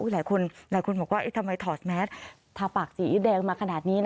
หลายคนบอกว่าทำไมถอดแมสทาปากสีแดงมาขนาดนี้